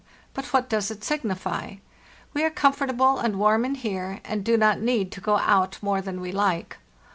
But what does it signify? We are com fortable and warm in here, and do not need to go out more than we like.